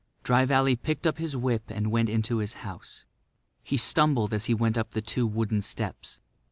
Dry Valley picked up his whip and went into his house. He stumbled as he went up the two wooden steps.